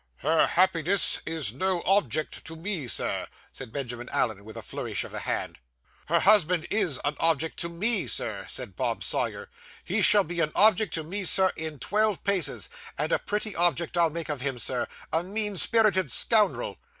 'Her happiness is no object to me, sir,' said Benjamin Allen, with a flourish of the hand. 'Her husband is an object to me, Sir,' said Bob Sawyer. 'He shall be an object to me, sir, at twelve paces, and a pretty object I'll make of him, sir a mean spirited scoundrel!